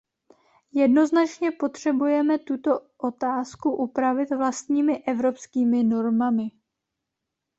Jednoznačně potřebujeme tuto otázku upravit vlastními evropskými normami.